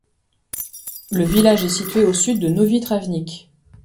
Le village est situé au sud de Novi Travnik.